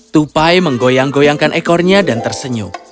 tupai menggoyang goyangkan ekornya dan tersenyum